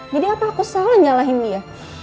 jadi apa aku salah nyalahin dia